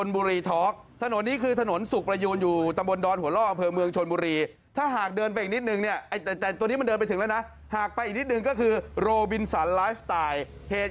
มีคนโทรแจ้งบวชยังไม่รู้